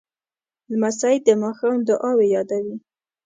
لمسی د ماښام دعاوې یادوي.